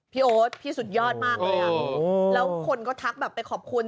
โอ๊ตพี่สุดยอดมากเลยอ่ะแล้วคนก็ทักแบบไปขอบคุณ